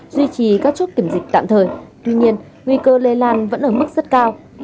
duy trì các chốt kiểm dịch tạm thời tuy nhiên nguy cơ lây lan vẫn ở mức rất cao